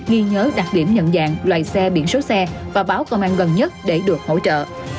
ghi nhớ đặc điểm nhận dạng loại xe biển số xe và báo công an gần nhất để được hỗ trợ